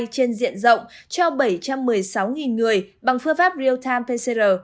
trên diện rộng cho bảy trăm một mươi sáu người bằng phương pháp real time pcr